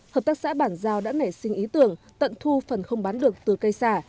hợp tác xã bản giao đã nảy sinh ý tưởng tận thu phần không bán được từ cây xả